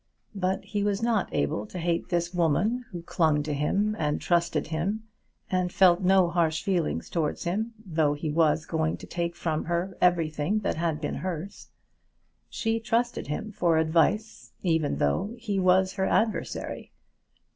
But he was not able to hate this woman who clung to him, and trusted him, and felt no harsh feelings towards him, though he was going to take from her everything that had been hers. She trusted him for advice even though he was her adversary!